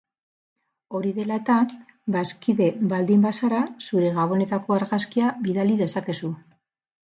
Hori dela eta, bazkide baldin bazara, zure gabonetako argazkia bidali dezakezu.